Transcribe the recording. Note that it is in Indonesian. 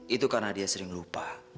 itu karena dia sering lupa